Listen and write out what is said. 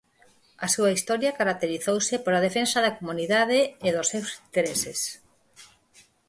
A súa historia caracterizouse pola defensa da comunidade e dos seus intereses.